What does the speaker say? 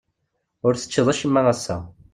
Ur teččiḍ acemma ass-a.